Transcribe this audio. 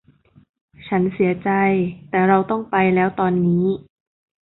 ฉันเสียใจแต่เราต้องไปแล้วตอนนี้